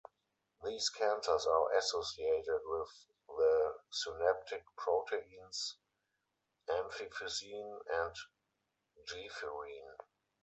These cancers are associated with the synaptic proteins amphiphysin and gephyrin.